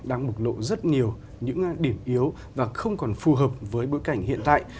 đang bộc lộ rất nhiều những điểm yếu và không còn phù hợp với bối cảnh hiện tại